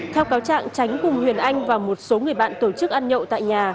theo cáo trạng tránh cùng huyền anh và một số người bạn tổ chức ăn nhậu tại nhà